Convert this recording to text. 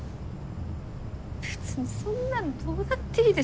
別にそんなのどうだっていいでしょ。